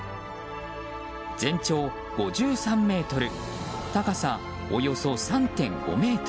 全長５３ｍ高さおよそ３．５ｍ。